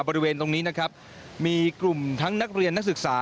บริเวณตรงนี้นะครับมีกลุ่มทั้งนักเรียนนักศึกษา